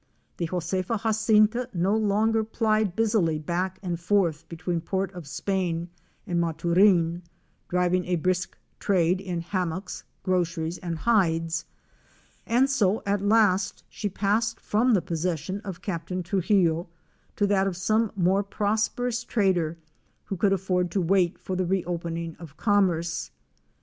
The " Josefa Jacinta' no longer plied busily back and forth between Port of Spain and Maturin, driving a brisk trade in hammocks, groceries and hides; and so at last she passed from the possession of Captain Truxillo to that of some more prosperous trader who could afford to wait for the reopening of commerce.